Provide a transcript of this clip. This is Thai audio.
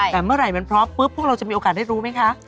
แต่เมื่อไหร่มันพร้อมปุ๊บพวกเราจะมีโอกาสได้รู้ไหมคะ